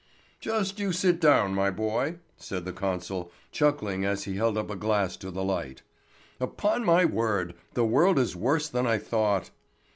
"Just you sit down, my boy!" said the consul, chuckling as he held up a glass to the light. "Upon my word, the world is worse than I thought."